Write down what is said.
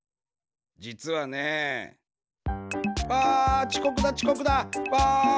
じつはね。わちこくだちこくだ！わ！